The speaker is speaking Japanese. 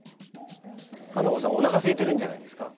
ハナコさんおなかすいてるんじゃないですか？